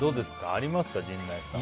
ありますか、陣内さん。